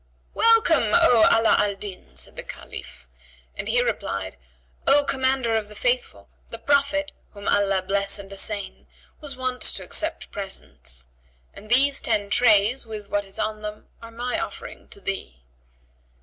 "Welcome, O Ala Al Din!" said the Caliph, and he replied, "O Commander of the Faithful, the Prophet (whom Allah bless and assain!)[FN#77] was wont to accept presents; and these ten trays, with what is on them, are my offering to thee."